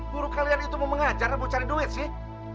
guru kalian itu mau mengajar mau cari duit sih